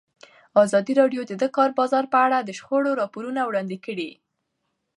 ازادي راډیو د د کار بازار په اړه د شخړو راپورونه وړاندې کړي.